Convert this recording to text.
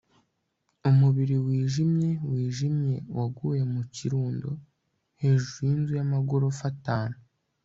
umubiri wijimye wijimye waguye mu kirundo hejuru yinzu yamagorofa atanu